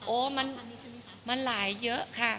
โอ้มันหลายเยอะค่ะมันเยอะมากค่ะ